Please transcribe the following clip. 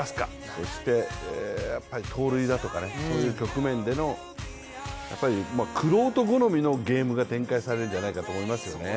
そして、やっぱり盗塁だとかそういう局面での、玄人好みのゲームが展開されるんじゃないかなと思いますよね。